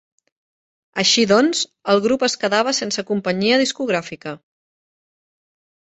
Així doncs, el grup es quedava sense companyia discogràfica.